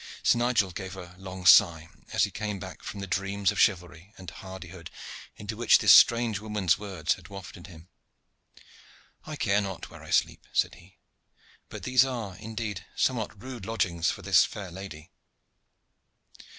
Sir Nigel gave a long sigh as he came back from the dreams of chivalry and hardihood into which this strange woman's words had wafted him. "I care not where I sleep," said he; "but these are indeed somewhat rude lodgings for this fair lady."